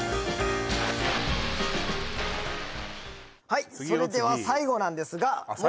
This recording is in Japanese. はいそれでは最後なんですが次よ